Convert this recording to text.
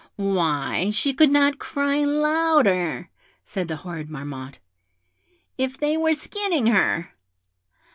'Why, she could not cry louder,' said the horrid Marmotte, 'if they were skinning her!